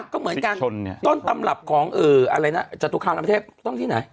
ก็เหมือนกันต้นตำรับของอะไรนะจตุคามเทพต้องที่ไหน